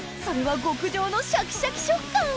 それは極上のシャキシャキ食感！